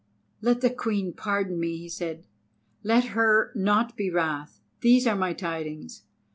"Let the Queen pardon me," he said. "Let her not be wrath. These are my tidings.